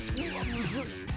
むずっ！